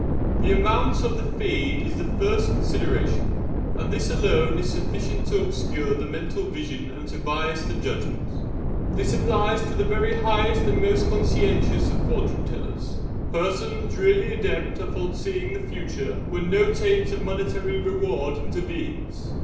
The amount of the fee is the first consideration, and this alone is sufficient to obscure the mental vision and to bias the judgment. This applies to the very highest and most conscientious of Fortune tellers persons really adept at foreseeing the future when no taint of monetary reward intervenes.